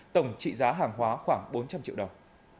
tổng trị giá hàng hóa khoảng bốn trăm linh triệu đồng